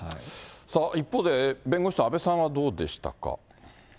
一方で、弁護士の阿部さんはどうでしたか。